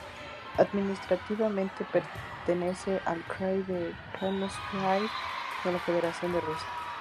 Administrativamente, pertenece al Krai de Krasnoyarsk de la Federación de Rusia.